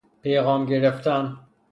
پیغام گرفتن